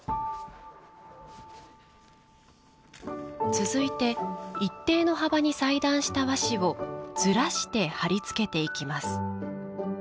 続いて、一定の幅に裁断した和紙をずらして張り付けていきます。